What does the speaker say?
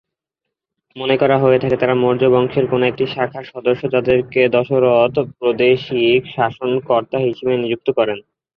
মনে করা হয়ে থাকে তারা মৌর্য্য রাজবংশের কোন একটি শাখার সদস্য, যাদেরকে দশরথ প্রাদেশিক শাসনকর্তা হিসেবে নিযুক্ত করেন।